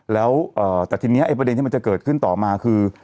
แต่ทีนี้ประเด็นที่จะเกิดขึ้นต่อมาคือ